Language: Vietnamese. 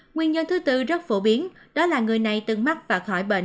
nguyên nhân thứ tư rất phổ biến đó là người này từng mắc và hỏi bệnh